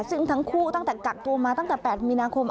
ซึ่งทั้งคู่ตั้งแต่กักตัวมาตั้งแต่๘มีนาคม